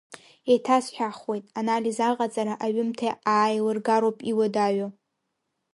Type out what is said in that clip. Еиҭасҳәахуеит, анализ аҟаҵара, аҩымҭа аилыргароуп иуадаҩу.